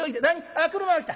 あ車が来た。